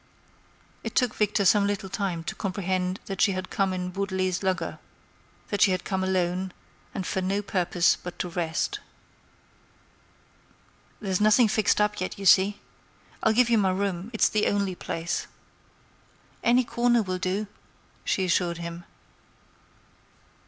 It took Victor some little time to comprehend that she had come in Beaudelet's lugger, that she had come alone, and for no purpose but to rest. "There's nothing fixed up yet, you see. I'll give you my room; it's the only place." "Any corner will do," she assured him.